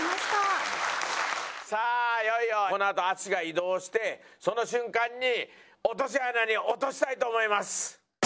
さあいよいよこのあと淳が移動してその瞬間に落とし穴に落としたいと思います。